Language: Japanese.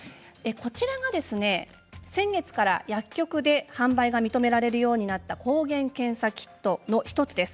こちらが先月から薬局で販売が認められるようになった抗原検査キットの１つです。